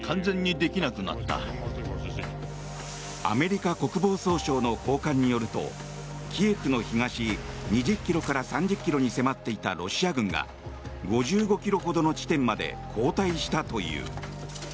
アメリカ国防総省の高官によるとキエフの東２０ｋｍから３０ｋｍに迫っていたロシア軍が５５ｋｍほどの地点まで後退したという。